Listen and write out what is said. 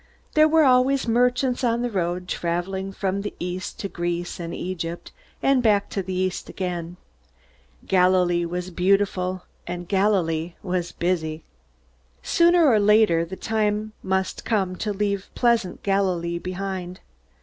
There were always merchants on the road traveling from the East to Greece and Egypt, and back to the East again. Galilee was beautiful, and Galilee was busy. Sooner or later the time must come to leave pleasant Galilee behind.